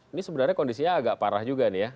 ini sebenarnya kondisinya agak parah juga nih ya